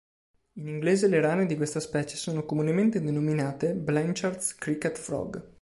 In inglese le rane di questa specie sono comunemente denominate "Blanchard's Cricket Frog".